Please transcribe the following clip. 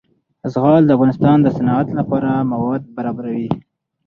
زغال د افغانستان د صنعت لپاره مواد برابروي.